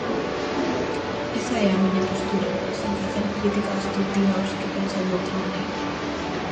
Esa é a miña postura, sen facer crítica destrutiva aos que pensen doutra maneira.